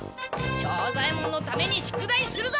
庄左ヱ門のために宿題するぞ！